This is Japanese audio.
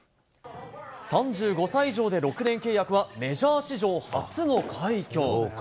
３５歳以上で６年契約は、メジャー史上初の快挙。